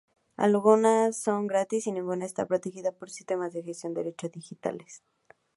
Algunas son gratis y ninguna está protegida por sistemas de gestión de derechos digitales.